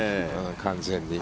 完全に。